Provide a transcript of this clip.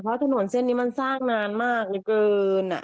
เพราะถนนเส้นนี้มันสร้างนานมากเหลือเกิน